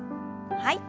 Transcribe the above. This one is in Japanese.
はい。